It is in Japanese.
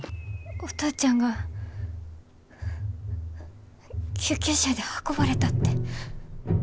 お父ちゃんが救急車で運ばれたって。